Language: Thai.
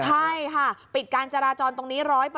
ใช่ค่ะปิดการจราจรตรงนี้๑๐๐